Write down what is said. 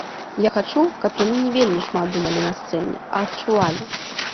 Я хачу, каб яны не вельмі шмат думалі на сцэне, а адчувалі.